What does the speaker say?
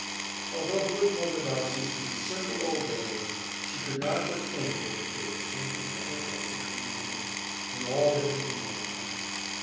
Although good Mother Baucis was a simple old dame, she could not but think that there was something rather out of the common way, in all that had been going on.